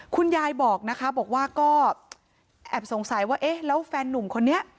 คุณยายบอกนะคะบอกว่าก็แอบสงสัยว่าเอ๊ะแล้วแฟนนุ่มคนนี้